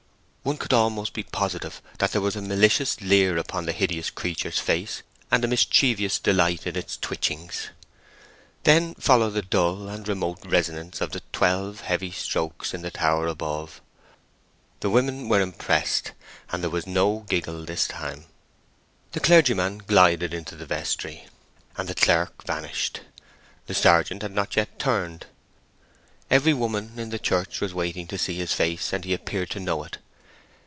One could almost be positive that there was a malicious leer upon the hideous creature's face, and a mischievous delight in its twitchings. Then followed the dull and remote resonance of the twelve heavy strokes in the tower above. The women were impressed, and there was no giggle this time. The clergyman glided into the vestry, and the clerk vanished. The sergeant had not yet turned; every woman in the church was waiting to see his face, and he appeared to know it.